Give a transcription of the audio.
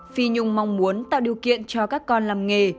phi nhung mong muốn tạo điều kiện cho các con làm nghề